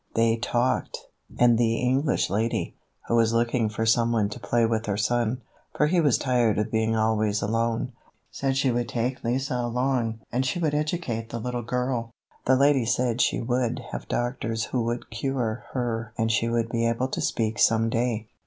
They talked. And the English lady, who was looking for some one to play with her son, for he was tired of being always alone, said she would take Lise along and she would educate the little girl. The lady said she would have doctors who would cure her and she would be able to speak some day.